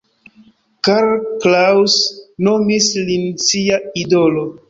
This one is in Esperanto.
Karl Kraus nomis lin sia idolo.